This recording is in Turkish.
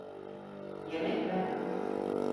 Yemek mi?